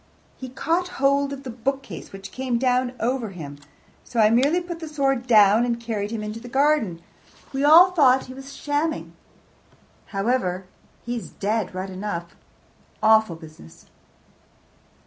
"He caught hold of the bookcase, which came down over him. So I merely put the sword down and carried him into the garden. We all thought he was shamming. However, he's dead right enough. Awful business!"